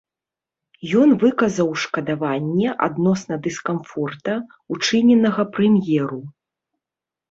Ён выказаў шкадаванне адносна дыскамфорта, учыненага прэм'еру.